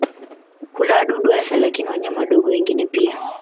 Hula wadudu hasa lakini wanyama wadogo wengine pia.